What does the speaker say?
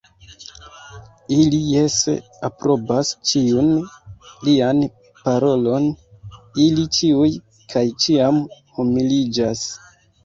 Ili jese aprobas ĉiun lian parolon, ili ĉiuj kaj ĉiam humiliĝas!